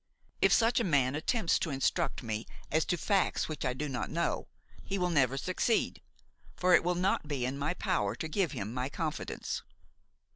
If such a man attempts to instruct me as to facts which I do not know, he will never succeed; for it will not be in my power to give him my confidence.